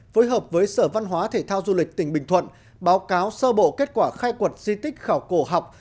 phối hợp với sở văn hóa thể thao du lịch tỉnh bình thuận báo cáo sơ bộ kết quả khai quật di tích khảo cổ học